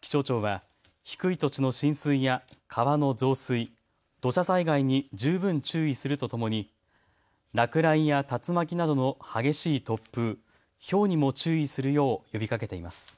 気象庁は低い土地の浸水や川の増水、土砂災害に十分注意するとともに落雷や竜巻などの激しい突風、ひょうにも注意するよう呼びかけています。